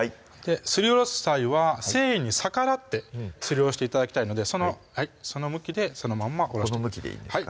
すりおろす際は繊維に逆らってすりおろして頂きたいのでその向きでそのまんまこの向きでいいんですか？